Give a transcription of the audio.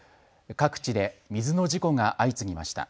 各地で水の事故が相次ぎました。